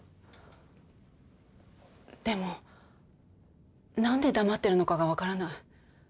でも何で黙ってるのかが分からない。